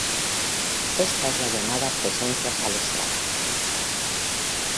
Ésta es la llamada "Presencia Salesiana".